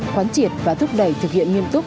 khoán triệt và thúc đẩy thực hiện nghiêm túc